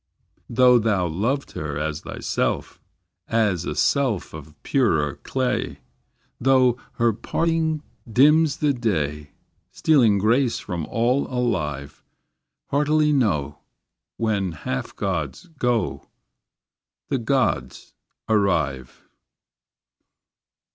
Though thou loved her as thyself, As a self of purer clay, Though her parting dims the day, Stealing grace from all alive; Heartily know, When half gods go. The gods arrive.